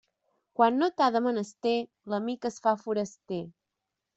Quan no t'ha de menester, l'amic es fa foraster.